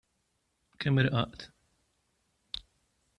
Kemm Irqaqt!